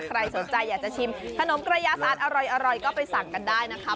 ใครสนใจอยากจะชิมขนมกระยาศาสตร์อร่อยก็ไปสั่งกันได้นะคะ